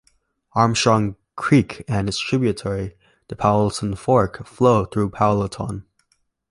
Armstrong Creek and its tributary the Powellton Fork flow through Powellton.